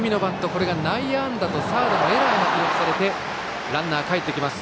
これで内野安打とサードのエラーが記録されてランナーがかえってきます。